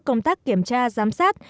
công tác kiểm tra giám sát